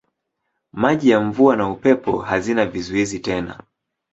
Maji ya mvua na upepo hazina vizuizi tena.